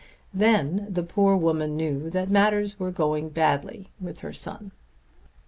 Then the poor woman knew that matters were going badly with her son.